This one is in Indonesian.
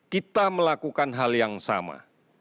kita melakukan hal yang sama